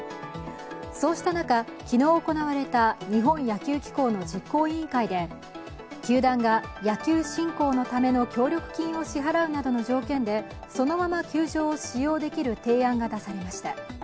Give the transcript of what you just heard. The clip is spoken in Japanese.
そうした中、昨日行われた日本野球機構の実行委員会で球団が野球振興ための協力金を支払うなどの条件でそのまま球場を使用できる提案が出されました。